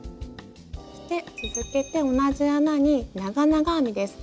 続けて同じ穴に長々編みです。